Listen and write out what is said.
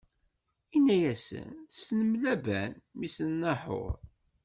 Inna-yasen: Tessnem Laban, mmi-s n Naḥuṛ?